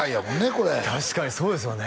これ確かにそうですよね